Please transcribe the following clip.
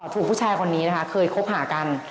ถูกผู้ชายคนนี้นะคะเคยคบหากัน